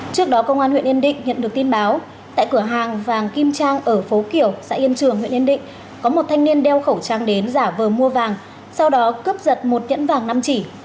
trước đó công an huyện yên định nhận được tin báo tại cửa hàng vàng kim trang ở phố kiểu xã yên trường huyện yên định có một thanh niên đeo khẩu trang đến giả vờ mua vàng sau đó cướp giật một nhẫn vàng năm chỉ